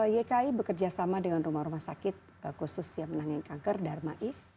yki bekerja sama dengan rumah rumah sakit khusus yang menangani kanker darmais